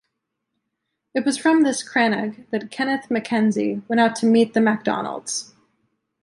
It was from this crannog that Kenneth MacKenzie went out to meet the MacDonalds.